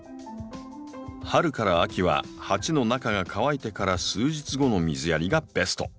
春から秋は鉢の中が乾いてから数日後の水やりがベスト。